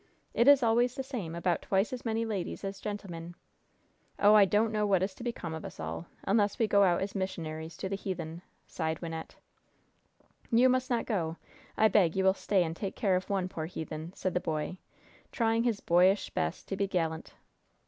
It is always the same about twice as many ladies as gentlemen! Oh, I don't know what is to become of us all, unless we go out as missionaries to the heathen!" sighed Wynnette. "You must not go! I beg you will stay and take care of one poor heathen!" said the boy, trying his boyish best to be gallant.